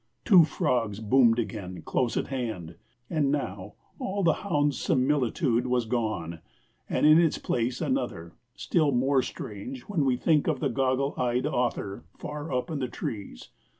Two frogs boomed again, close at hand, and now all the hound similitude was gone, and in its place another, still more strange, when we think of the goggle eyed author far up in the trees.